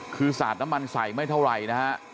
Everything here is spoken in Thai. คือซะน้ำมันใส่ไม่เท่าไหร่นะครับ